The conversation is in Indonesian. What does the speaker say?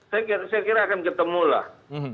saya kira akan ketemu lah